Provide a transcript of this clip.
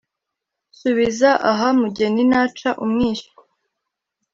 subiza aha mugeni naca umwishywa,